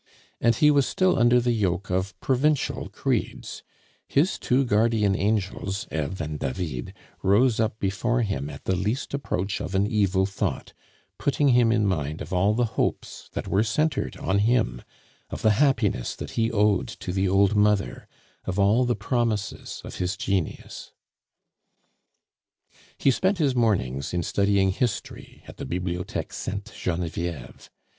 And he was still under the yoke of provincial creeds; his two guardian angels, Eve and David, rose up before him at the least approach of an evil thought, putting him in mind of all the hopes that were centered on him, of the happiness that he owed to the old mother, of all the promises of his genius. He spent his mornings in studying history at the Bibliotheque Sainte Genevieve.